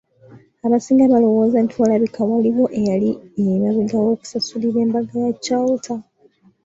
Abasinga balowooza nti walabika waaliwo eyali emabega w’okusasulira embaga ya Chalter.